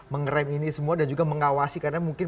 mengeram ini semua dan juga mengawasi karena mungkin